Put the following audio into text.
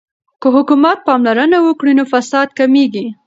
که حکومت پاملرنه وکړي نو فساد کمیږي.